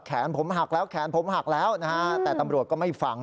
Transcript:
แขนผมหักแล้วแขนผมหักแล้วนะฮะแต่ตำรวจก็ไม่ฟัง